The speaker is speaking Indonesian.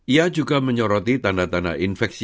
ia juga menyoroti tanda tanda infeksi